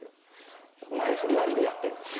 前振りありでやってるんです。